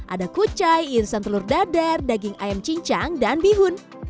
ada kucai irisan telur dadar daging ayam cincang dan bihun